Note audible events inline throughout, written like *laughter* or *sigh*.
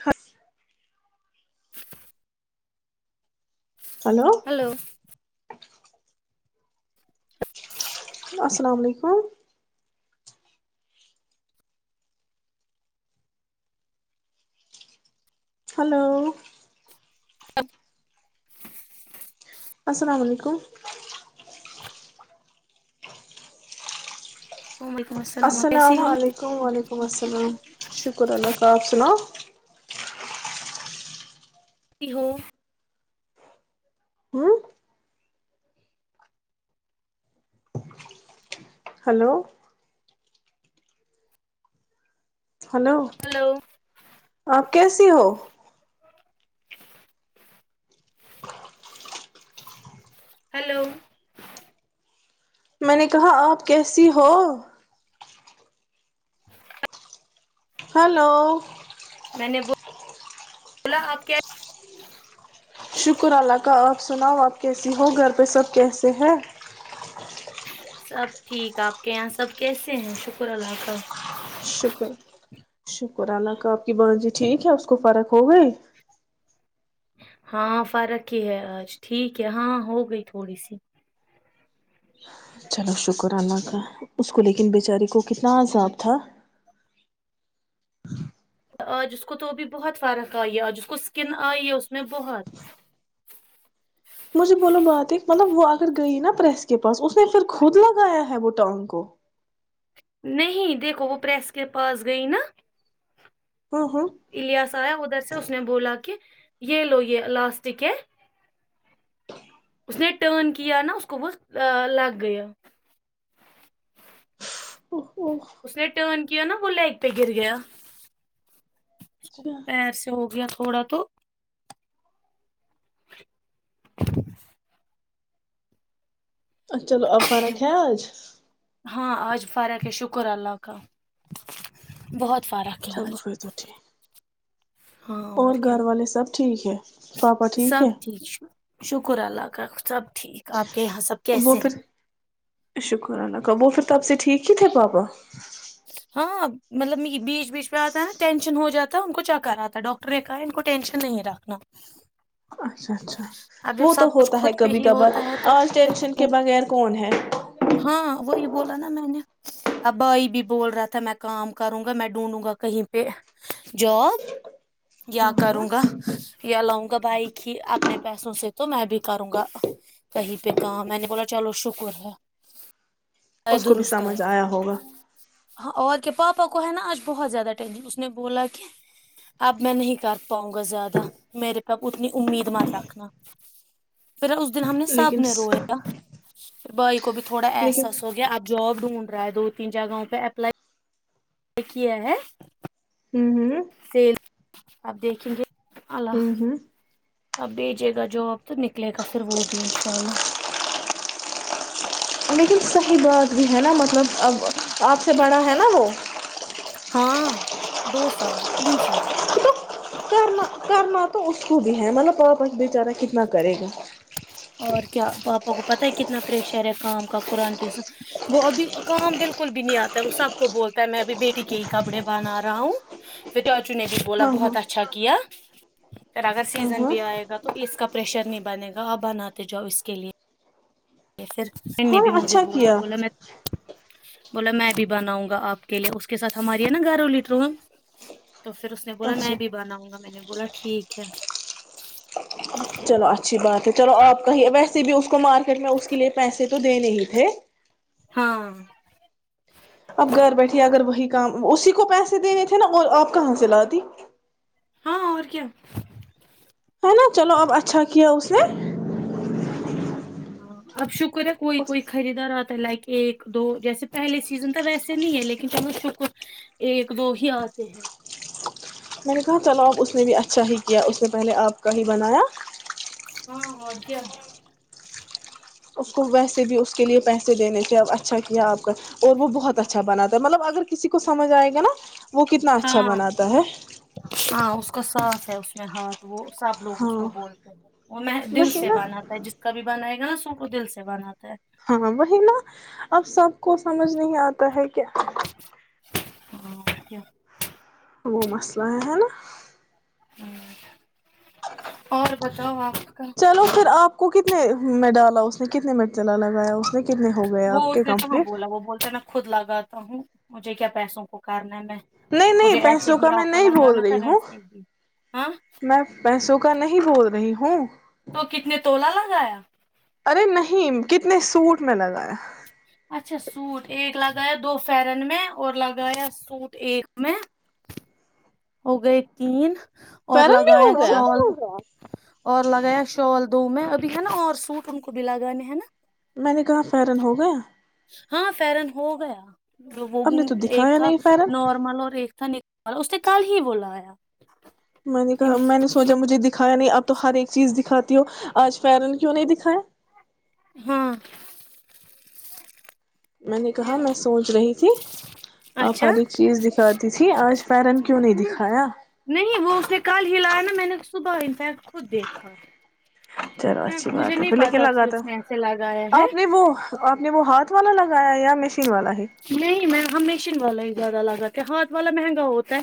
خس ہلو اس سلام وعلیکم ہلو السلام علیکم وعلیکم آپ السلام کیسی ہو علیکم و علیکم السلام شکر اللہ تالی آپ سناؤ ہو ہ ہلو ہلو ہلو آپ کیسیے ہو ہلو میں نے کہا آپ کیسی ہو *unintelligible* ہلو میں نے بولا آپ کیا شکر اللہ کا آپ سناؤ آپ کیسی ہو گھر پہ سب کیسے ہیں سب ٹھیک آپ کے یہاں سب کیسے ہیں شکر اللہ کا شکر شکر اللہ کا آپ کی بضی ٹھیک ہے اس کو فرق ہو گئی ہاں فرق ہی ہے آج ٹھیک ہے ہاں ہو گئی تھوڑی سی چلو شکر اللہ کا اس کو لیکن بیچاری کو کتنا ہوں، عذاب تھا آج اس کو تو ا بھی بہت فرق آئی ہے آج اس کو اسکن آئی ہے اس میں بہت مجھے بولو بات ہے مطلب وہ اگر گئی نا پریس کے پاس اس نے پھر خود لگایا ہے وہ ٹانگ کو نہیں دیکھو وہ پریس کے پاس گئی نا ہاں ہاں الیاس آیا ادھر سے اس نے بولا کہ یہ لو یہ لاسٹ کی اس نے ٹرن کیا نا اس کو بت لگ گیا اس نے ٹرن کی نا بوللا ایک پ گیر گیا اس کو پیر سے ہو گیا تھوڑا تو اچھا چلو ابا ر خیاج ہاں آج فرق ہے شکر اللہ کا بہت فرق ہے چلو آج پھر تو ٹھیک ہاں اور کیا گھر والے سب ٹھیک ہے پاپا ٹھیک ہے شکر اللہ کاف صب وہ پھر شکر اللہ کا وہ پھر تب سے ٹھیک ہی تھے پاپا ہاں مطلب بیچ بیچ پہ آتا ہے نا ٹینشن ہو جاتا ہے ان کو چکر آتا ہے ڈاکٹر نے کہا ان کو ٹینشن نہیں رکھنا اچھا اچھا اب جب وہ تو سب کچھ ہوتا ہے خود پہ کبھی ہی کبھار ہوتا ہے تو آج پھر ٹینشن کے خود بغیر کون ہے ہاں وہی بولا نا میں نے ابائی بھی بول رہا تھا میں کام کروں گا میں ڈھونڈوں گا کہیں پہ جاب یا کروں گا یا لاؤں گا بائک ہی اپنے پیسوں سے تو میں بھی کروں گا کہیں پہ کام میں نے بولا چلو شکر ہے اس کو بھی درست ہے سمجھ آیا ہوگا ہاں اور کیا پاپا کو ہے نا آج بہت زیادہ ٹشن اس نے بولا کہ اب میں نہیں کر پاؤں گا زیادہ میرے پ اتنی امید مت رکھنا پھر اس دن ہم نے سب لیکن نے رویا بھائی کو بھی تھوڑا لیکن احساس ہو گیا اب جاب ڈھونڈ رہا ہے دو تین جہوں پہ پل یہ کیا ہے ہوں ہوں آپ دیکھیں گے ہوں ہوں آپ بھیجیے گا جو آپ تو نکلے گا پھر وہ بھی انشاء اللہ *inaudible* لیکن صحیح بات بھی ہے نا مطلب اب آپ سے بڑا ہے نا وہ ہاں دو سال تین سال تو کرنا کرنا تو اس کو بھی ہے مطلب پاپ بیےچارا کتنا کرے گا اور کیا پاپا کو پتا ہے کتنا پریشر ہے کام کا قرآن کے وہ ابھی کام بالکل بھی نہیں آتا وہ سب کو بولتا ہے میں ابھی بیٹی کے ہی کپڑے بنا رہا ہوں نے بھی بولا ہاں ہاں بہت اچھا کیا پھر اگر ہاں سیزن ہاں بھی آئے گا تو اس کا پریشر نہیں بنے گا تو آپ بناتے جاؤ اس کے لیے پھر میں نے ہاں بھی مجھے اچھا بولا کیا بولا میں بولا میں بھی بناؤں گا آپ کے لیے اس کے ساتھ ہماری ہے نا گارو لیٹرو ہے تو پھر اس نے بولا اچھا میں بھی بناؤں گا میں نے بولا ٹھیک ہے چلو اچھی بات ہے چلو آپ کا ہی ویسے بھی اس مارکیٹ میں اس کے لیے پیسے تو دے نہیں تھے ہاں اپ گھر بیٹھیے اگر وہی کام اسی کو پیسے دینے تھے نا اور آپ کہاں سے ل دی ہاں اور کیا ہے نا چلو اب اچھا کیا اس نے ہاں اب شکر *inaudible* کوا کوئی کوئی میں خریداراتے لائ کے ایک دو جیسے پہلے سیزن تو ویسے نہیں ہے لیکن جب اس *inaudible* ایک دو ہی آتے ہیں میں نے کہا چلو آپ اس نے بھی اچھا ہی کیا اس نے پہلے آپ کا ہی بنایا ہاں ہ کیاا اس کو ویسے بھی اس کے لیے پیسے دینے تھے اچھا کیا آپ کا اور وہ بہت اچھا بناتا ہے مطلب اگر کسی کو سمجھ آئے گا نا وہ کتنا ہاں اچھا بناتا ہے ساس آیا اس م میں ہاتھ وہ س آب لوگ اس ہاں کو بولتے ہیں وہ دل وہی سے نا بناتا ہے جس کا بھی بنا ہے ن سو کو دل سے بناتا ہے ہاں وہی نا اب سب کو سمجھ نہیں آتا ہے کیا ہ ا کیا *inaudible* وہ مسئلہ ہے ہے نا ہ اور بتاؤ آپ کا چلو پھر آپ کو کتنا کتنے میں ڈالا اس نے کتنے مرچلا لگایا اس نے کتنے ہو گئے وہ آپ اس کے نے کہاں کمپلیٹ بولا وہ بولتا ہے میں خود لگاتا ہوں مجھے کیا پیسوں کو کرنا ہے میں نہیں مجھے نہیں ایسے پیسوں بھی کا میں آپ کو نہیں بول لگانا تھا رہی ہوں ویسے بھی ہاں میں پیسوں کا نہیں بول رہی ہوں ہےاں تو کتنے تولا لگایا ارے نہیں کتنے سوٹ میں لگایا اچھا سوٹ ایک لگایا دو فرن میں اور لگایا سوٹ ایک میں ہو گئے تین اور پیرن بھی لگایا ہو گیا شال اور لگایا شال دو میں نا اور سٹ ان کو بھی لگانے ہے نا میں نے کہاں فرن ہو گیا ہاں فرن ہو گیا وہ اب نے تو ایک دکھایا تھا نہیں فیرن نارمل اور ایک تھا ن اور اس نے کل ہی بولا آیا میں نے کہا میں نے سوچا مجھے دکھایا نہیں اب تو ہر ایک چیز دکھاتی ہو آج فرن کیوں نہیں دکھائےائے ہاں میں نے کہا میں سوچ رہی تھی آپ ہر ایک چیز دکھاتی تھی آج فیرن کیوں نہیں ہ دکھایا نہیں وہ اس نے کل ہی لایا نا میں نے صبح انفیکٹ خود دیکھا چلو اچھی مجھے بات ہے نہیں پہلے کیا پتا کہ لگاتا ہوں اس نے ایسے لگایا ہے آپ نے وہ آپ نے وہ ہاتھ وال نے لگایا یا میں نہیں میں ہمیشہ ب زیادہ لگاتے ہاتھ والا مہنگا ہوتا ہے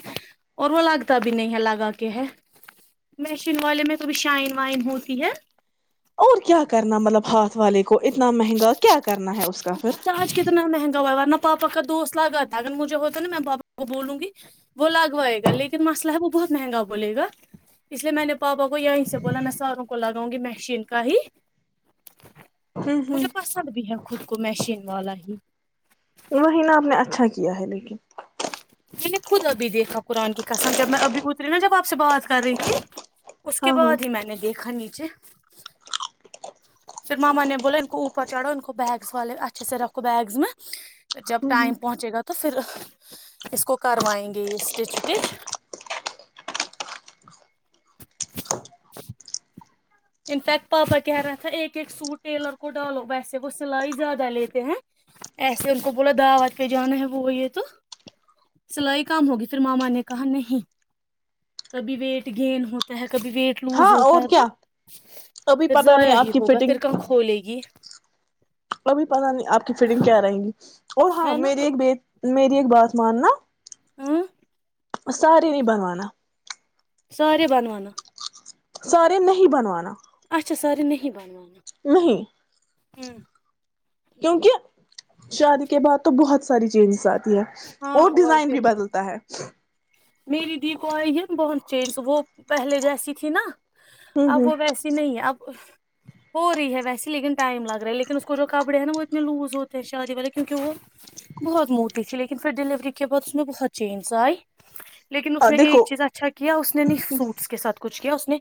اور وہ لگتا بھی نہیں ہے لگا کے ہے مشین والے میں کبھی شائن وائن ہوتی ہے اور کیا کرنا مطلب ہاتھ والے کو اتنا مہنگا کیا کرنا ہے اس کا پھر آج کتنا مہنگا ہوا ہے ورنہ پاپا کا دو لگاجھتا ناپا بولوں گی گان مسئلہ بہت مہنگا بولے گاے میں پاپا کو یہ سے بو س لگاؤں گی م ہی ہ ہ مجھے پسند بھی ہے خود کو مشین والا ہی وہ نا آپ نے اچھا کیا ہے لیکن میں نے خود ابھی دیکھا قرآن کی قسم جب میں ابھی اتری نا جب آپ سے بات کر رہی تھی اس کے ہاں ہاں بعد ہی میں نے دیکھا نیچے پھر ماما نے بولا ان کو اوپر چڑھو ان کو بیگس والے اچھے سے رکھو بیگس میں جب ہ ہ ٹائم پہنچے گا تو پھر کیسکو کرواینگے *unintelligible* انفیکٹ پاپا کہ رہا تھا ایک ایک سوٹ ٹیلر کو ڈالو ویسے وہ سلائی زیادہ لیتے ہیں ایسے ان کو بولا دعوت کے جانا ہے وہ یہ تو سلائی کم ہوگی پھر ماما نے کہا نہیں کبھی ویٹ گین ہوتا ہے کبھی ویٹ لوس ہوتا ہے کبھی پھر پتا نہیں ضائع آپ ہی کی ہوگا فٹنگ پھر کہاں کھولے گی کبھی پتا نہیں آپ کی فٹنگ کیا رہیں گی اور ہاں ہے نا میری تو ایک ب میری ایک بات ماننا ہاں سارے نہیں بنوانا ساری بننا سارے نہیں بنوا اچ ساری ن نہیں بنان نہیں ہوں کیونکہ شادی کے بعد تو بہت ساری چینزز آتی ہاں اور ڈیزائن کیا بھی بدلتا ہے میری دی کو آئی بت چینج وہ پہلے جیسی تھی نا ہ اب وہ ویسی نہیں ہے اب ہو رہی ہے ویسے لیکن ٹائم لگ رہا ہے لیکن اس کو جو کپڑے ہیں نا وہ اتنے لوز ہوتے ہیں شادی والے کیونکہ وہ بہت موت تھی لیکن پھر ڈلیوری کے بعد اس میں بہت چینج آئی لیکن اس ہ نے دیکھو ایک چیز اچھا کیا اس نے نہیں سوٹس کے ساتھ کچھ کیا نے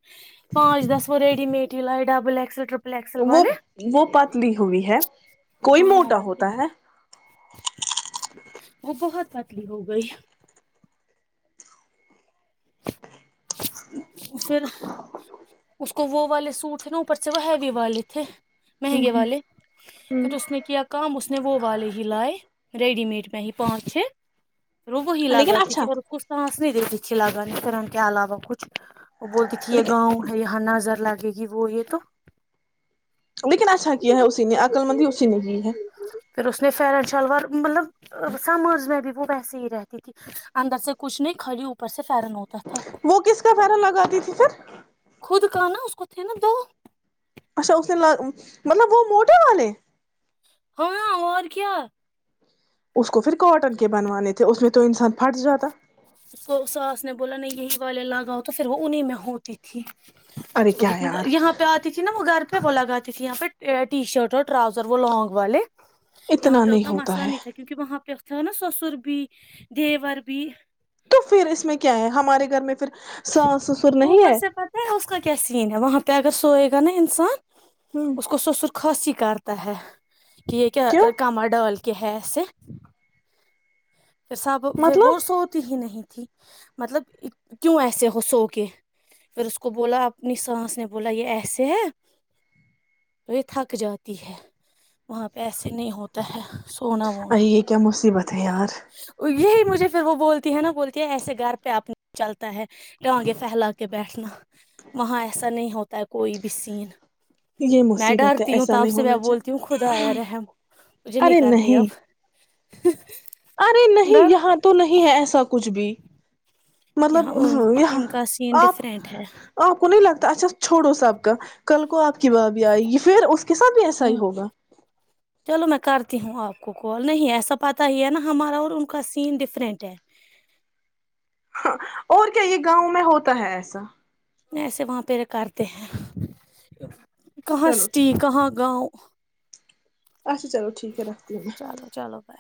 پانچ دس ریڈی میڈ ہی لاے وہ دبل اکس ال ٹرپل ایکسل وہ والے وہ پتلی ہوئی ہے کوئی ہاں موٹا اور کیا ہوتا ہے وہ بہت پتلی ہو گئی پھر اس کو وہ والے سوٹ تھے نا اوپر سے وہ ہیوی والے تھے مہنگے والے پھر اس نے کیا کام اس اس میں وہ والے ہی لائے ریڈی میڈ میں ہی پانچ چھے لوگو ہی لیکن لگا تی اچھا تھی وہ اس کو سانس نہیں دیتی *unintelligible* اس کے علاوہ کچھ وہ بولتی تھی یہ لیکن گاؤں ہیں یہاں نظر لگتی کیونکہ وہ یہ تو لیکن اچھا کیا ہے اسی نے عکل مندی اسی نے کی ہے پھر اس نے فیرن شلوار مطلب سمرض میں بھی وہ ویسے ہی رہتی تھی اندر سے کچھ نہیں خا لی اوپر سے فیرن ہوتا تھا وہ کس کا فیرن لگاتی تھی پھر خود کا نا اس کو تھے نا دو اچھا اس نے مطلب وہ موٹر والے ہاں اور کیا اس کو پھر کاٹن کے بنوانے تھے اس میں تو انسان پھٹ جاتا اس کو ساس نے بولا نہیں یہی والے لاگاؤ تو پھر وہ انہیں میں ہوتی تھی ارے اس کیا کتنی یار یہاں پہ آتی تھی نا وہ گھر پہ وہ لگاتی تھی یہاں پہ ٹی شرٹ اور ٹراؤزر وہ لانگ والے یہاں پہ نہیں اتنا ہوتا مسئلہ ہے نہیں تھا کیونکہ وہاں پہ جو ہے نا سسر بھی دیار بھی تو پھر اس میں کیا ہے ہمارے گھر میں پھر ساس سسر نہیں اوپر سے پت ہے اس کا کیا سین ہے وہاں پہ اگر سوئی گ نا انسان ہ اس کو سسرخاستی کر تا ہے کہ یہ کیا کیوں کمر ڈال کہ ہےر آس پھر سب پھر وہ مطلب سوتی ہی نہیں مطلب کیوں ایسے ہو سو کے پھر اس کو بولا اپنی سانس نے بولا یہ ایسے ہے تو یہ تھک جاتی ہے وہاں پہ ایسے نہیں ہوتا ہے سونا وونا ارے یہ کیا مصیبت ہے یار یہی مجھے پھر وہ بولتی ہے نا بولتی ہے ایسے گھر پہ اپ چلتا ہے ڈانگے پھیلا کے بیٹھنا وہاں ایسا نہیں ہوتا ہے کوئی بھی سین یہ میں مصیبت ہے ڈرتی ہوں ت ایسا آپ نہیں سے میں ہونا چاہیے بولتی ہوں خدایا رحم مجھے نہیں کرنی اب ارے نہیں ڈر یہاں تو نہیں ہے ایسا کچھ بھی مطلب یہاں ان یہاں ان کا سین آپ ڈفرینٹ ہے آپ کو نہیں لگتا اچھا چھوڑو سبقہ ک کو آپ کی ب بھی آئی یہ پھر اس کے ساتھ بھی ایسا ہی ہوں ہوگا چلو میں کرتی ہوں آپ کو کوال نہیں ایسا پتہ ہی ہے نا ہمارا اور ان کا سین ڈفرنٹ ہے اور کیا یہ گاؤں میں ہوتا ہے ایسا ایسے وہاں پہ رکارتے ہیں کہاں چلو ٹھیک اسٹی کہاں گاؤں اچھا چلو ٹھیک ہے رکھ دی د ہوں میں چلو چلو بائے